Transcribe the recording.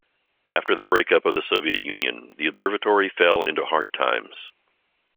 After the breakup of the Soviet Union, the observatory fell into hard times.